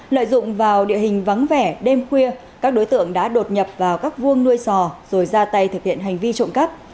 lợi dụng vào địa hình vắng vẻ đêm khuya các đối tượng đã đột nhập vào các vuông nuôi sò rồi ra tay thực hiện hành vi trộm cắp